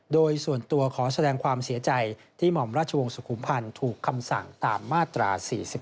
โดยส่วนตัวขอแสดงความเสียใจที่หม่อมราชวงศ์สุขุมพันธ์ถูกคำสั่งตามมาตรา๔๔